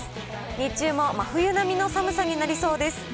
日中も真冬並みの寒さになりそうです。